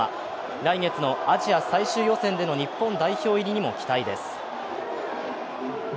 来月のアジア最終予選での日本代表入りにも期待です。